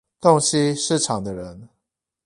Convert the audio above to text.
洞悉市場的人